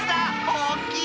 おおきい！